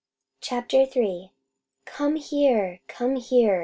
Chapter 3 "Come here! Come here!"